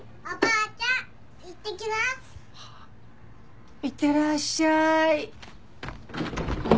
あっいってらっしゃい。